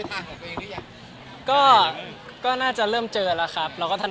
แต่ปัจจุบันชื่อเสียงมันอยู่บ้าง